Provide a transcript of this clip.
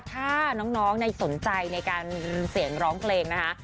ถ้าน้องสนใจในการเสียงร้องเพลงนะคะ